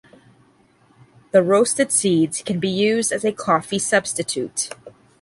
The roasted seeds can be used as a coffee substitute.